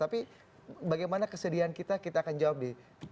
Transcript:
tapi bagaimana kesedihan kita kita akan jawab di